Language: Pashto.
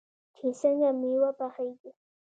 چې څنګه میوه پخیږي.